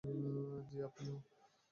জ্বি, আপনিও।